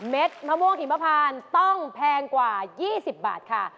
มะม่วงหิมพานต้องแพงกว่า๒๐บาทค่ะ